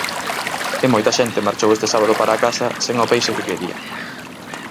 E moita xente marchou este sábado para a casa sen o peixe que quería.